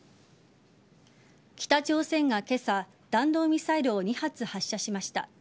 北朝鮮が今朝、弾道ミサイルを２発発射しました。